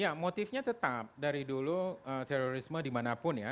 ya motifnya tetap dari dulu terorisme dimanapun ya